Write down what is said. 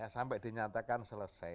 sampai dinyatakan selesai